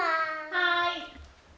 はい。